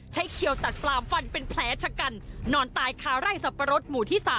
เขียวตัดปลามฟันเป็นแผลชะกันนอนตายคาไร่สับปะรดหมู่ที่๓